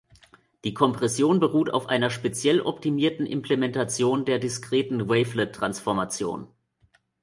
Die Kompression beruht auf einer speziell optimierten Implementation der Diskreten Wavelet-Transformation.